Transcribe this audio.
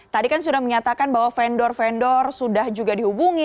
tadi kan sudah menyatakan bahwa vendor vendor sudah juga dihubungi